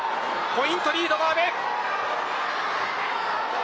ポイントリードの阿部。